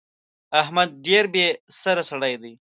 احمد ډېر بې سره سړی دی.